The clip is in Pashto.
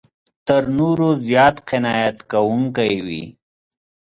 تر نورو زیات قناعت کوونکی وي.